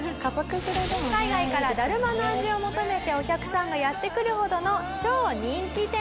海外からだるまの味を求めてお客さんがやって来るほどの超人気店！